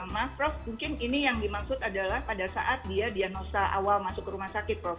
maaf prof mungkin ini yang dimaksud adalah pada saat dia diagnosa awal masuk ke rumah sakit prof